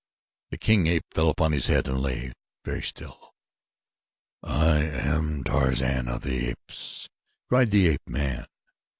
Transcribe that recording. The king ape fell upon his head and lay very still. "I am Tarzan of the Apes!" cried the ape man.